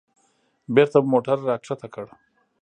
بېرته مو موټر راښکته کړ.